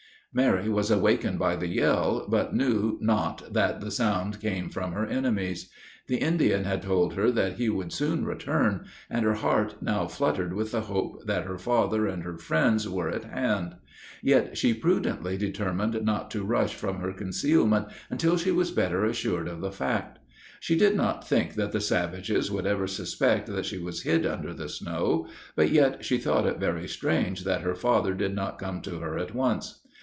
Mary was awakened by the yell, but knew not that the sound came from her enemies. The Indian had told her that he would soon return, and her heart now fluttered with the hope that her father and her friends were at hand. Yet she prudently determined not to rush from her concealment until she was better assured of the fact. She did not think that the savages would ever suspect that she was hid under the snow, but yet she thought it very strange that her father did not come to her at once.